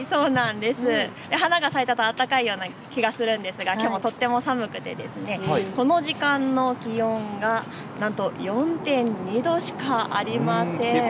花が咲いたと、あったかいような気がするんですがきょうもとても寒くて、この時間の気温がなんと４．２度しかありません。